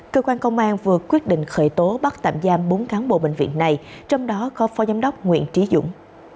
cơ quan công an vừa quyết định khởi tố bắt tạm giam bốn cán bộ bệnh viện này trong đó có phó giám đốc nguyễn trí dũng